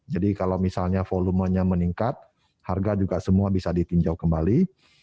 jadi kalau misalnya volumenya meningkat harga juga semua bisa ditinjau kembali